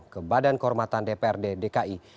ke badan kehormatan dprd dki